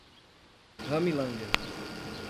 Ramilândia